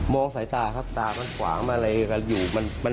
มองใส่ตาตามันหวังว์อะไรอยู่